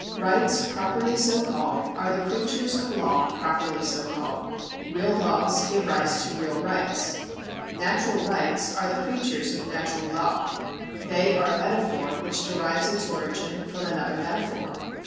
... Rights properly so called are the creatures of law properly so called ; real laws give rise to real rights. Natural rights are the creatures of natural law ; they are a metaphor which derives its origin from another metaphor."